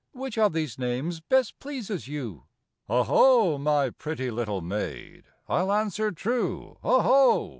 Which of these names best pleases you'?'' " 0 ho ! my pretty little maid. I'll answer true, 0 ho